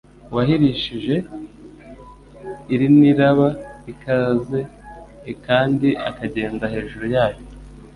Uwahirishije ilniraba ikaze kandi akagenda hejuru yayo,